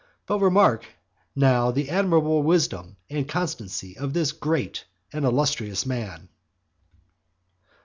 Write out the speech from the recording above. But remark now the admirable wisdom and consistency of this great and illustrious man.